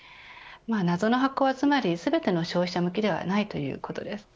謎の箱はつまり全ての消費者向きではないということです。